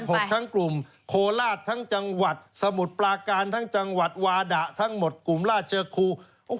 ทั้งกลุ่มโคราชทั้งจังหวัดสมุทรปลาการทั้งจังหวัดวาดะทั้งหมดกลุ่มราชครู